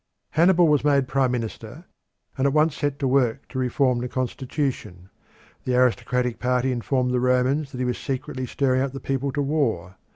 Hannibal was made prime minister, and at once set to work to reform the constitution. The aristocratic party informed the Romans that he was secretly stirring up the people to war.